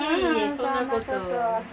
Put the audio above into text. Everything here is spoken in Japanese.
そんなことは。